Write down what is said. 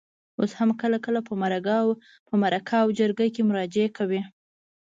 اوس هم کله کله په مرکه او جرګه کې مرجع وي.